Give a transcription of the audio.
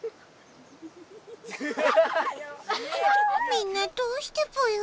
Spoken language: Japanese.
みんなどうしてぽよ？